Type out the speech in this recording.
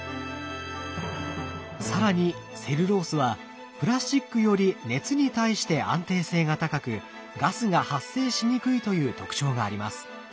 更にセルロースはプラスチックより熱に対して安定性が高くガスが発生しにくいという特徴があります。